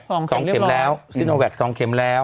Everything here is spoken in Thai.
ของติดต่อแหละซีนโตแวกต์๒เข็มแล้ว